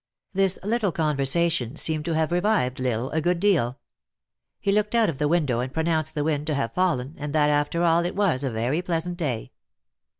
This little conversation seemed to have revived L Isle a good deal. He looked out of the window and pronounced the wind to have fallen, aad that, after all, it was a very pleasant day.